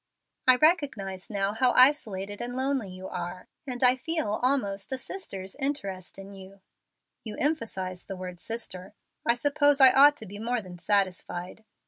I recognize how isolated and lonely you are, and I feel almost a sister's interest in you." "You emphasize the word 'sister.' I suppose I ought to be more than satisfied.